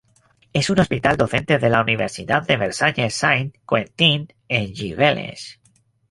Es un hospital docente de la Universidad de Versailles Saint Quentin en Yvelines.